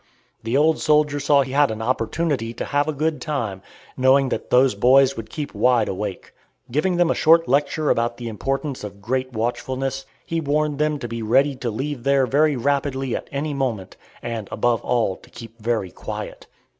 The old soldier saw he had an opportunity to have a good time, knowing that those boys would keep wide awake. Giving them a short lecture about the importance of great watchfulness, he warned them to be ready to leave there very rapidly at any moment, and, above all, to keep very quiet.